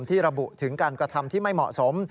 ระบุถึงการกระทำที่ไม่เหมาะสม